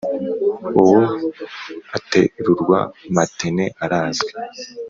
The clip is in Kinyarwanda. ubu aterurwa matene arazwi,